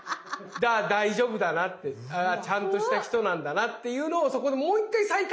だから大丈夫だなってちゃんとした人なんだなっていうのをそこでもう一回再確認しちゃうんですよね。